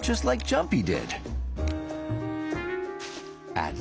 あれ？